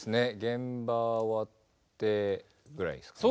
現場終わってぐらいですかね。